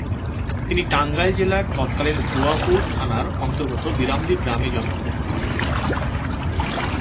তিনি টাঙ্গাইল জেলার তৎকালীন ভুঞাপুর থানার অন্তর্গত বিরামদী গ্রামে জন্মগ্রহণ করেন।